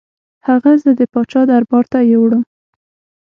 هغه زه د پاچا دربار ته یووړم.